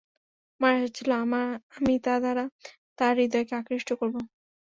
আমার আশা ছিল, আমি তা দ্বারা তার হৃদয়কে আকৃষ্ট করব।